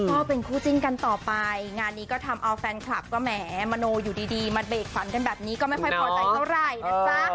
ก็เป็นคู่จิ้นกันต่อไปงานนี้ก็ทำเอาแฟนคลับก็แหมมโนอยู่ดีมาเบรกฝันกันแบบนี้ก็ไม่ค่อยพอใจเท่าไหร่นะจ๊ะ